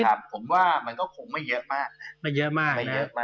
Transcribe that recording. นะครับผมว่ามันก็คงไม่เยอะมาก